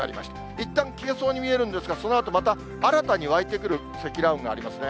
いったん消えそうに見えるんですが、そのあとまた、新たに湧いてくる積乱雲がありますね。